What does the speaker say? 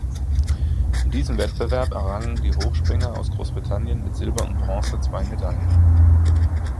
In diesem Wettbewerb errangen die Hochspringer aus Großbritannien mit Silber und Bronze zwei Medaillen.